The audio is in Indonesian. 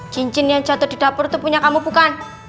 cincin yang jatuh di dapur itu punya kamu bukan